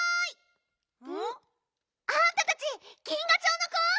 ん？あんたたち銀河町の子？